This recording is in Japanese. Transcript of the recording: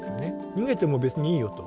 「逃げても別にいいよ」と。